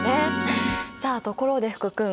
さあところで福君。